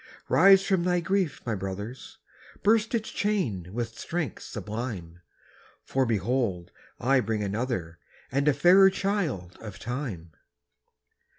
Rise from thy grief, my brothers! Burst its chain with strength sublime, For behold! I bring another, And a fairer child of time.